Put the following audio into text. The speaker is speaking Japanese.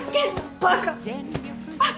バカ。